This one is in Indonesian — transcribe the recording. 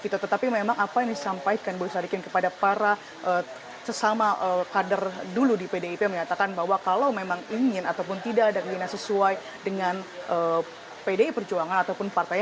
tetapi memang apa yang disampaikan boy sadikin kepada para sesama kader dulu di pdip menyatakan bahwa kalau memang ingin ataupun tidak ada keinginan sesuai dengan pdi perjuangan ataupun partai